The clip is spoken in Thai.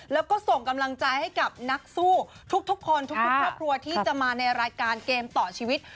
แล้วก็ส่งกำลังใจให้กับนักสู้ทุกคนทุกครอบครัวที่จะมาในรายการเกมต่อชีวิต